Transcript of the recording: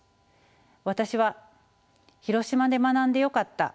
私は「広島で学んでよかった」